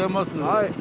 はい。